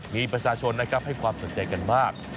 มีประชาชนนะครับให้ความสนใจกันมาก